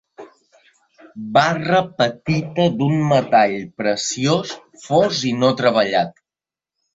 Barra petita d'un metall preciós fos i no treballat.